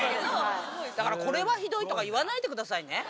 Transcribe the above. だから「これはひどい」とか言わないでくださいね。